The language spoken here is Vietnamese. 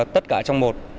tất cả trong một